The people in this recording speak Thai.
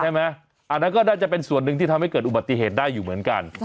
อันนั้นก็น่าจะเป็นส่วนหนึ่งที่ทำให้เกิดอุบัติเหตุได้อยู่เหมือนกัน